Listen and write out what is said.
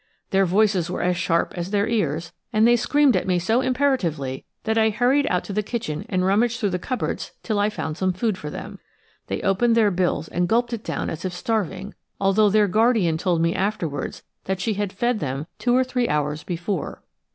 Their voices were as sharp as their ears, and they screamed at me so imperatively that I hurried out to the kitchen and rummaged through the cupboards till I found some food for them. They opened their bills and gulped it down as if starving, although their guardian told me afterwards that she had fed them two or three hours before.